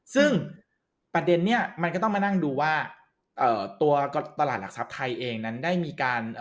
ซึ่งประเด็นเนี่ยมันก็ต้องมานั่งดูว่าตัวตลาดหลักทรัพย์ไทยเองนั้นได้มีการ